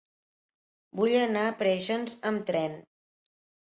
Vull anar a Preixens amb tren.